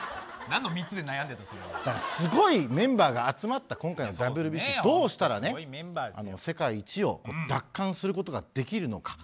すごいメンバーが集まった今回のＷＢＣどうしたら世界一を奪還することができるのか。